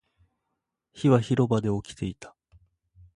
火は広場で起きていた